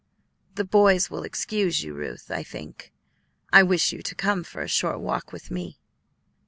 "The boys will excuse you, Ruth, I think; I wish you to come for a short walk with me."